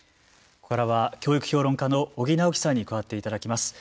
ここからは教育評論家の尾木直樹さんに加わっていただきます。